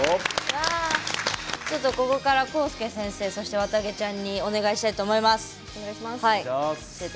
ここからコウスケ先生そして、わたげちゃんにお願いしたいと思います。